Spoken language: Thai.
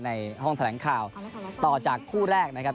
ในห้องแถลงข่าวต่อจากคู่แรกนะครับ